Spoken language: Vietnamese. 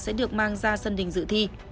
lễ xôi gà sẽ được mang ra dân đình dự thi